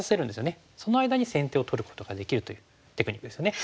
その間に先手を取ることができるというテクニックですね。